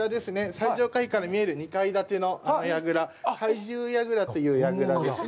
最上階から見える２階建ての櫓、懐柔櫓という櫓ですね。